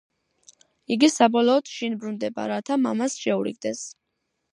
იგი საბოლოოდ შინ ბრუნდება, რათა მამას შეურიგდეს.